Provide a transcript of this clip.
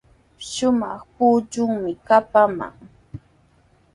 Shumaq punchuumi kapaman.